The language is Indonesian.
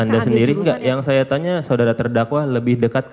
anda sendiri enggak yang saya tanya saudara terdakwah lebih dekat sama